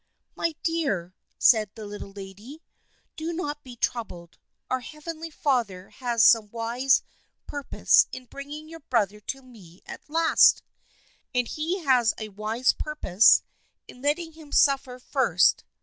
" My dear," said the Little Lady, " do not be troubled. Our Heavenly Father has some wise purpose in bringing your brother to me at last, and He had a wise purpose in letting him suffer first.